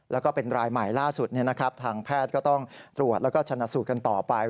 แล้วก็เป็นรายใหม่ล่าสุดทางแพทย์ก็ต้องตรวจแล้วก็ชนะสูตรกันต่อไป